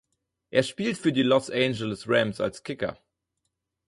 Er spielt für die Los Angeles Rams als Kicker.